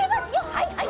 はいはい！